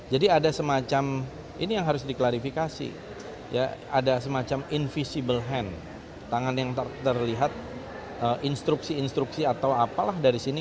ada semacam ini yang harus diklarifikasi ya ada semacam invisible hand tangan yang terlihat instruksi instruksi atau apalah dari sini